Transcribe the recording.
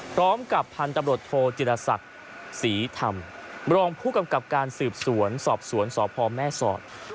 พร้อมกับพันธุ์ตำรวจโทจิรศักดิ์ศรีธรรมรองผู้กำกับการสืบสวนสอบสวนสพแม่สอด